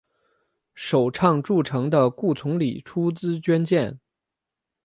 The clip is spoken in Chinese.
首倡筑城的顾从礼出资捐建。